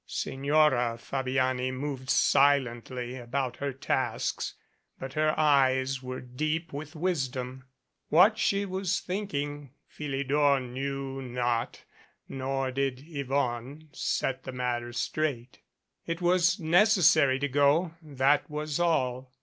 Signora Fabiani moved silently about her tasks, but her eyes were deep with wisdom. What she was thinking, Philidor knew not, nor did Yvonne set the matter straight. It was necessary to go that was all.